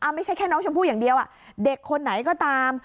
ไม่ใช่แค่น้องชมพู่อย่างเดียวเด็กคนไหนก็ตาม